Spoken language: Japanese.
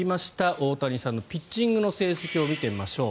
大谷さんのピッチングの成績を見てみましょう。